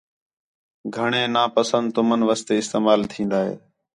گھݨیں نا پسند تُمن واسطے استعمال تِھین٘دا ہے